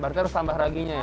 berarti harus tambah raginya ya